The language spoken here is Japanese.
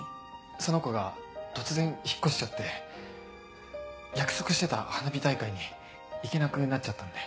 その子が突然引っ越しちゃって約束してた花火大会に行けなくなっちゃったんだ。